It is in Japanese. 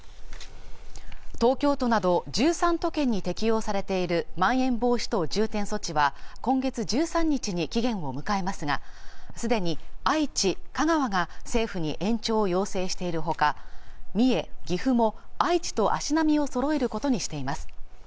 東京都など１３都県に適用されているまん延防止等重点措置は今月１３日に期限を迎えますがすでに愛知、香川が政府に援助を要請しているほか三重、岐阜も愛知と足並みをそろえることにしています